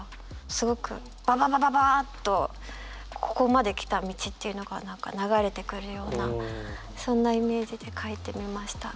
すごくバババババッとここまで来た道っていうのが流れてくるようなそんなイメージで書いてみました。